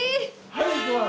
はいいきます！